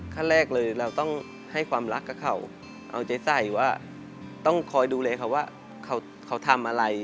ขั้นแรกเลยเราต้องให้ความรักกับเขาเอาใจใส่ว่าต้องคอยดูแลเขาว่าเขาทำอะไร